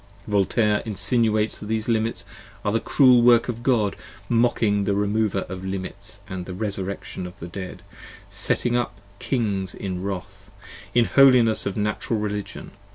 Voltaire insinuates that these Limits are the cruel work of God, 30 Mocking the Remover of Limits & the Resurrection of the Dead, Setting up Kings in wrath: in holiness of Natural Religion.